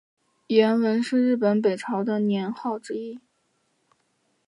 延文是日本北朝的年号之一。